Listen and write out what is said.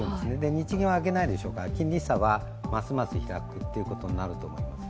日銀は上げないでしょうから差はますます開くことになると思います。